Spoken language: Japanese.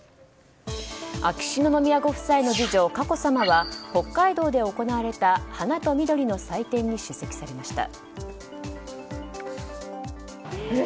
秋篠宮ご夫妻の次女佳子さまは北海道で行われた花と緑の祭典に出席されました。